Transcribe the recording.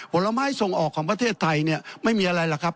ผลไม้ส่งออกของประเทศไทยเนี่ยไม่มีอะไรหรอกครับ